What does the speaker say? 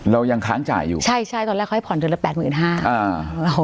เรายังค้างจ่ายอยู่ใช่ใช่ตอนแรกเขาให้ผ่อนเดือนละแปดหมื่นห้าอ่า